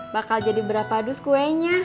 bakal jadi berapa dus kuenya